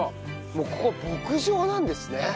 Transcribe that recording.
ここ牧場なんですね。